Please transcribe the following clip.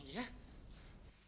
pergi dari sini